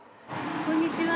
こんにちは。